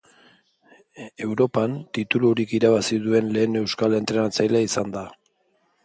Europan titulurik irabazi duen lehen euskal entrenatzailea izan zen.